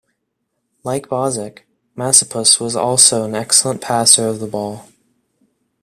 Like Bozsik, Masopust was also an excellent passer of the ball.